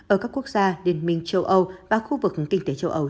ở các quốc gia liên minh châu âu và khu vực kinh tế châu âu